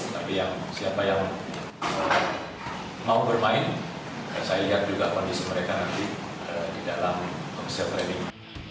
tapi siapa yang mau bermain saya lihat juga kondisi mereka nanti di dalam obsert trading